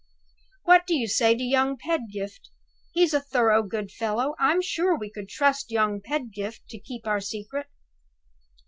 What do you say to young Pedgift? He's a thorough good fellow. I'm sure we could trust young Pedgift to keep our secret."